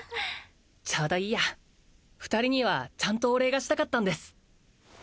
ちょうどいいや二人にはちゃんとお礼がしたかったんです